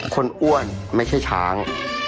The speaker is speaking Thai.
อ้วนไม่ใช่ช้าง